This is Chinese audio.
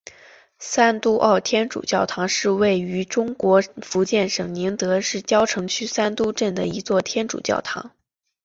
三都澳天主教堂是位于中国福建省宁德市蕉城区三都镇的一座天主教堂。